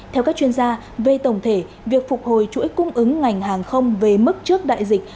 theo các chuyên gia về tổng thể việc phục hồi chuỗi cung ứng ngành hàng không về mức trước đại dịch